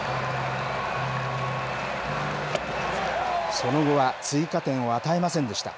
その後は追加点を与えませんでした。